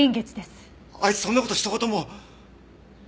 あいつそんな事ひと言も。